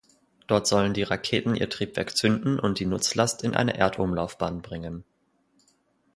Dort sollen die Raketen ihr Triebwerk zünden und die Nutzlast in eine Erdumlaufbahn bringen.